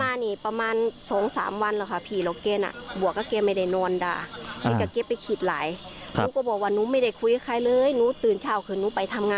แล้วสามสี่วันก่อนสามีก็กินเหล้าเยอะเหลือเกิน